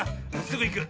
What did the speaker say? すぐいく。